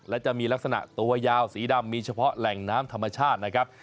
และจะมีลักษณะตัวยาวสีดำมีเฉพาะแหล่งน้ำธรรมชาตินะครับ